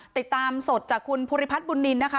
ติดตามสดจากคุณภูริพัฒน์บุญนินนะคะ